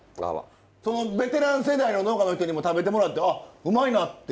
そのベテラン世代の農家の人にも食べてもらって「あうまいな」って言われました？